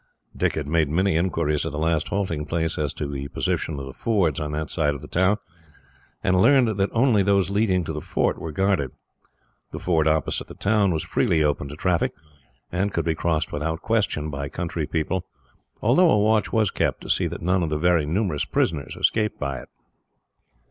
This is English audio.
Dick had made many inquiries, at the last halting place, as to the position of the fords on that side of the town; and learned that only those leading to the fort were guarded. The ford opposite the town was freely open to traffic, and could be crossed without question by country people, although a watch was kept to see that none of the very numerous prisoners escaped by it.